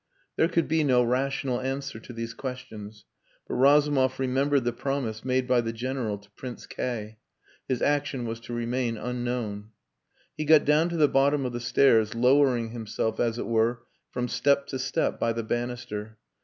There could be no rational answer to these questions; but Razumov remembered the promise made by the General to Prince K . His action was to remain unknown. He got down to the bottom of the stairs, lowering himself as it were from step to step, by the banister.